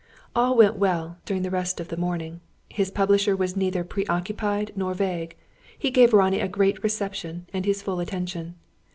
All went well, during the rest of the morning. His publisher was neither pre occupied nor vague. He gave Ronnie a great reception and his full attention.